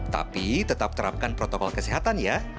tapi tetap terapkan protokol kesehatan ya